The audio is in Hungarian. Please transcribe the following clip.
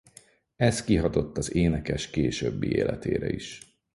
Ez kihatott az énekes későbbi életére is.